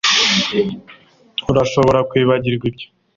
urashobora kwibagirwa ibyo